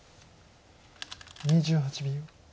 ２８秒。